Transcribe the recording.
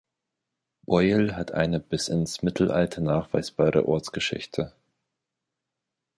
Beuel hat eine bis ins Mittelalter nachweisbare Ortsgeschichte.